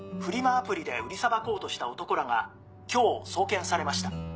アプリで売りさばこうとした男らが今日送検されました」